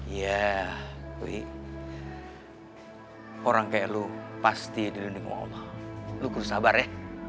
ya wih orang kayak lo pasti diunding sama allah lo kurus sabar ya